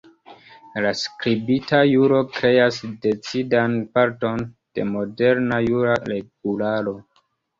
La skribita juro kreas decidan parton de moderna jura regularo.